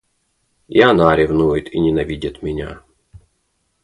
И она ревнует и ненавидит меня.